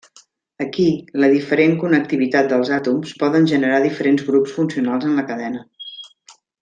Aquí, la diferent connectivitat dels àtoms, poden generar diferents grups funcionals en la cadena.